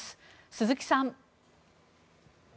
鈴木さん。